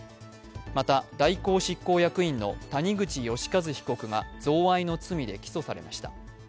また、大広執行役員の谷口義一被告が贈賄の罪で起訴されました。